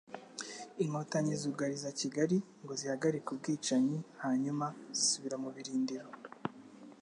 Inkotanyi zugariza Kigali ngo zihagarike ubwicanyi, hanyuma zisubira mu birindiro.